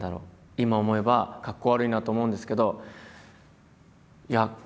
今思えばかっこ悪いなと思うんですけど。